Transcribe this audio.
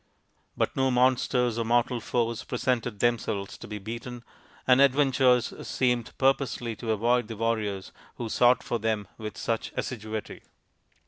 But no monsters or mortal foes presented themselves to be beaten, and adventures seemed purposely to avoid the warriors who sought for them with such assiduity.